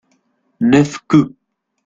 neuf coups.